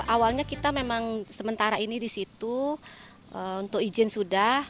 awalnya kita memang sementara ini di situ untuk izin sudah